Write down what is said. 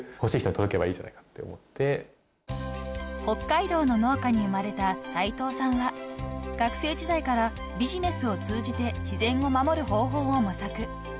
［北海道の農家に生まれた斉藤さんは学生時代からビジネスを通じて自然を守る方法を模索］